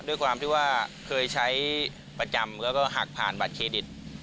ด้วยความที่ว่าเคยใช้ประจำแล้วก็หักผ่านบัตรเครดิต